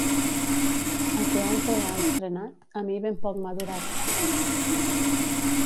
El que altre ha estrenat, a mi, ben poc m'ha durat.